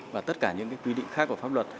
và tất cả những quy định khác của pháp luật